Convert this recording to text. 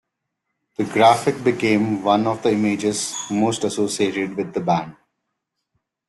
The graphic became one of the images most associated with the band.